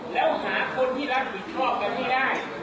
แล้วหาคนที่รับผิดชอบกันให้ได้